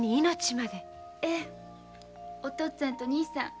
おとっつぁんと兄さん